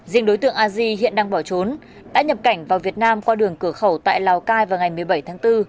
riêng đối tượng aji hiện đang bỏ trốn đã nhập cảnh vào việt nam qua đường cửa khẩu tại lào cai vào ngày một mươi bảy tháng bốn